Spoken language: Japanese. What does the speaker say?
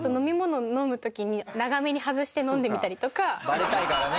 バレたいからね。